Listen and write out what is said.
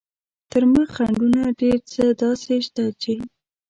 تر مخ خنډونه ډېر څه داسې شته چې.